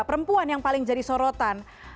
perempuan yang paling jadi sorotan